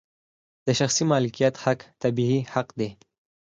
د شخصي مالکیت حق طبیعي حق دی.